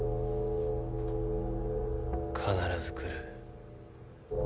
必ず来る。